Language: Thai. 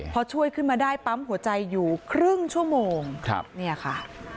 พอช่วยขึ้นมาได้ปั๊มหัวใจอยู่ครึ่งชั่วโมงครับเนี่ยค่ะ